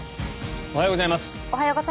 おはようございます。